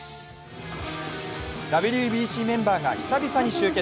ＷＢＣメンバーが久々に集結